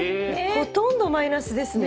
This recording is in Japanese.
ほとんどマイナスですね。